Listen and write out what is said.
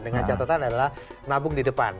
dengan catatan adalah nabung di depan